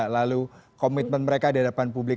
lalu komitmen mereka di hadapan publik